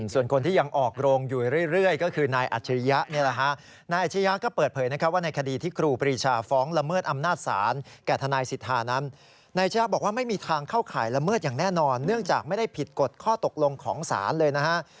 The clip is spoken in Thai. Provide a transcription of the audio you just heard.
ส่วนคนที่ยังออกโรงอยู่เรื่อยก็คือนายอัจฉริยะนี่แหละฮะนายอัชริยะก็เปิดเผยนะครับว่าในคดีที่ครูปรีชาฟ้องละเมิดอำนาจศาลแก่ทนายสิทธานั้นนายชะยะบอกว่าไม่มีทางเข้าข่ายละเมิดอย่างแน่นอนเนื่องจากไม่ได้ผิดกฎข้อตกลงของศาลเลยนะฮะ